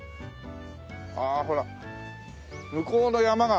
ああほら向こうの山が。